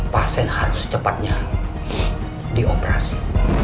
pasien harus cepatnya dioperasi